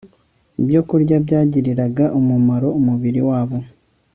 ibyokurya byagirira umumaro umubiri wabo